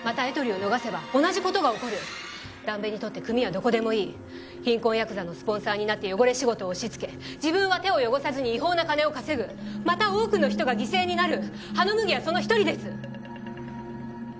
エトリを逃せば同じことが起こるダンベにとって組はどこでもいい貧困ヤクザのスポンサーになって汚れ仕事を押しつけ自分は手を汚さずに違法な金を稼ぐまた多くの人が犠牲になる羽野麦はその一人です